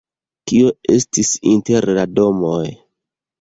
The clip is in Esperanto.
Kio estis inter la domoj?